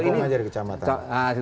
tampung aja di kecamatan